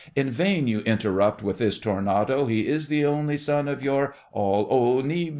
In vain you interrupt with this tornado! He is the only son of your—— ALL. O ni!